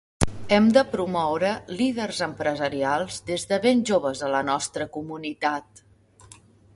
Hem de promoure líders empresarials des de ben joves a la nostra comunitat.